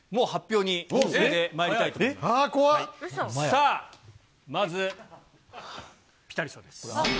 さあ、まず、ピタリ賞です。